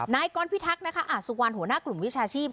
นายกรพิทักษ์นะคะอาสุวรรณหัวหน้ากลุ่มวิชาชีพ